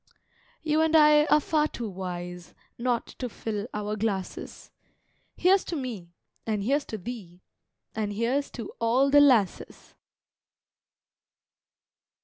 You and I are far too wise Not to fill our glasses. Here's to me and here's to thee, And here's to all the lasses!